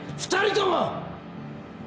２人とも！